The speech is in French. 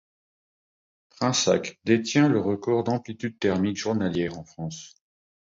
Trensacq détient le record d'amplitude thermique journalière en France.